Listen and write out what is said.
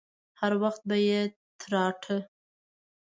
هر وخت به يې تراټه.